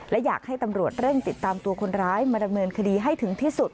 และอยากให้ตำรวจเร่งติดตามตัวคนร้ายมาดำเนินคดีให้ถึงที่สุด